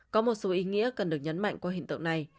có một số ý nghĩa cần được nhấn mạnh qua hiện tượng này